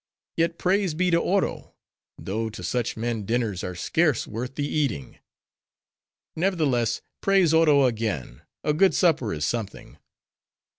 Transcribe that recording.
Yet praise be to Oro, though to such men dinners are scarce worth the eating; nevertheless, praise Oro again, a good supper is something.